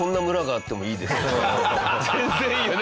全然いいよね。